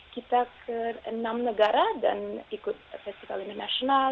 kita ke enam negara dan ikut festival internasional